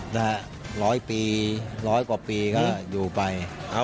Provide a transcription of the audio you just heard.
นะฮะร้อยปีร้อยกว่าปีก็อยู่ไป